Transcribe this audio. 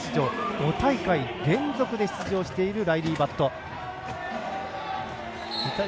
５大会連続で出場しているライリー・バット。